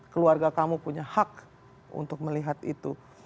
keluarga kamu punya hak untuk melihat itu